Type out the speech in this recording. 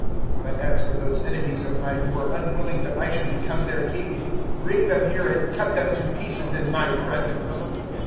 019:027 But as for those enemies of mine who were unwilling that I should become their king, bring them here, and cut them to pieces in my presence.'"